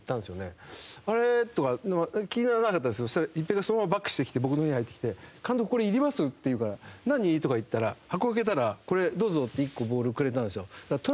あれ？とか気にならなかったですけど一平がそのままバックしてきて僕の部屋に入ってきて「監督これいります？」って言うから「何？」とか言ったら箱開けたらこれどうぞって１個ボールをくれたんですよ。